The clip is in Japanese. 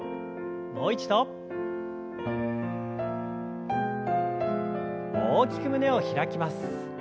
もう一度。大きく胸を開きます。